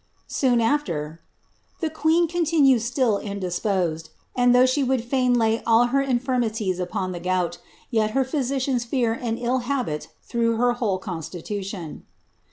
Soon sifter, the queen continues still indisposed, and thopgh she would fain lay all her infirmities upon the gout, yet her physicians fear an ill habit through her whole constitution.